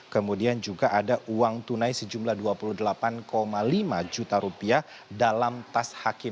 kemudian juga ada uang yang diberikan oleh kppk dalam operasi tangkap tangan kemarin yaitu uang berjumlah seratus juta rupiah dalam tas kresek berwarna hitam